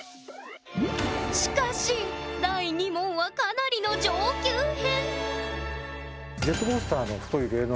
しかし第２問はかなりの上級編！